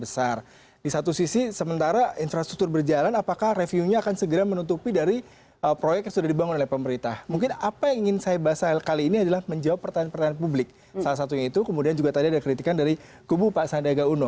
salah satunya itu kemudian juga tadi ada kritikan dari kubu pak sandiaga uno